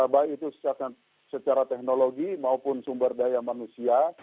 baik itu secara teknologi maupun sumber daya manusia